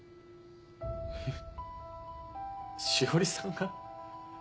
えっ詩織さんが？